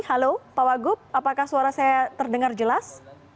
halo pak wagub apakah suara saya terdengar jelas